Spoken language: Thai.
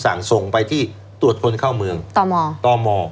สั่งส่งไปที่ตรวจค้นเข้าเมืองตม